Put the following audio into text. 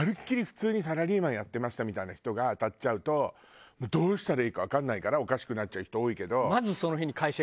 普通にサラリーマンやってましたみたいな人が当たっちゃうとどうしたらいいかわかんないからおかしくなっちゃう人多いけど。